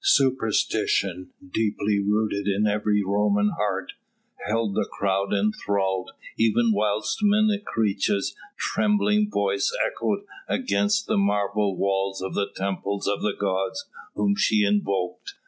Superstition, deeply rooted in every Roman heart, held the crowd enthralled even whilst Menecreta's trembling voice echoed against the marble walls of the temples of the gods whom she invoked.